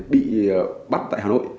bị bắt tại hà nội